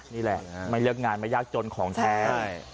นี่แหละไม่เลือกงานไม่ยากจนของแท้